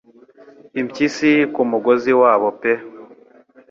impyisi ku mugozi wabo pe